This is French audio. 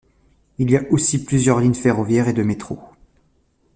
Il y aussi plusieurs lignes ferroviaires et de métro.